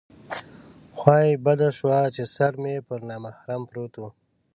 خوا یې بده شوه چې سر مې پر نامحرم پروت و.